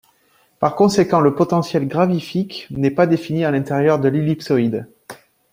Par conséquent, le potentiel gravifique n'est pas défini à l'intérieur de l'ellipsoïde.